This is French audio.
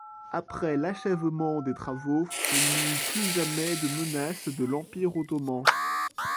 Après l'achèvement des travaux, il n'y eut plus jamais de menace de l'Empire ottoman.